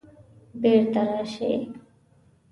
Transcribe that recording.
بیرته راشئ